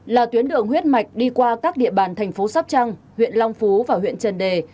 là tuyến đường huyết mạch đi qua các địa bàn thành phố sóc trăng huyện long phú và huyện trần đề